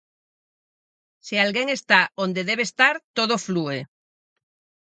Se alguén está onde debe estar todo flúe.